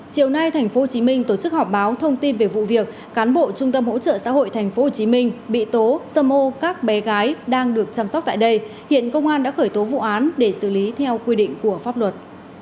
chiều nay tp hcm tổ chức họp báo thông tin về vụ việc cán bộ trung tâm hỗ trợ xã hội tp hcm bị tố xâm ô các bé gái đang được chăm sóc tại đây hiện công an đã khởi tố vụ án để xử lý theo quy định của pháp luật